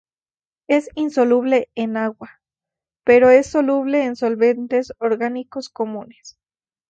Es insoluble en agua, pero es soluble en solventes orgánicos comunes.